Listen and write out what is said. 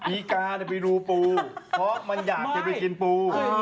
อีกาไปดูรูปูเพราะมันอยากจะไปกินปู